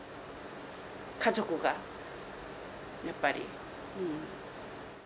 家族が、やっぱり。